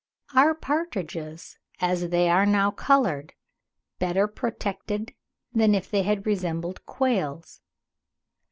Are partridges, as they are now coloured, better protected than if they had resembled quails?